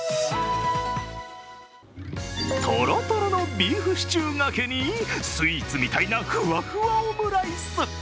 とろとろのビーフシチューがけに、スイーツみたいなふわふわオムライス。